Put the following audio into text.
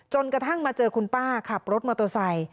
กระทั่งมาเจอคุณป้าขับรถมอเตอร์ไซค์